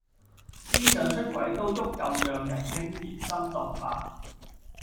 思想出軌都足夠讓人怦然心動吧！